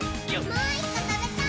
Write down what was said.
もう１こ、たべたい！